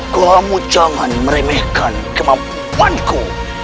kamu jangan meremehkan kemampuanku